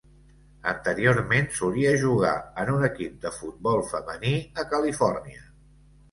Anteriorment solia jugar en un equip de futbol femení a Califòrnia.